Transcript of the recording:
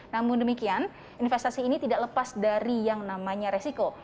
namun demikian investasi ini tidak lepas dari yang namanya resiko